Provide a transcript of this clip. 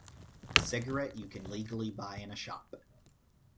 A cigarette you can legally buy in a shop!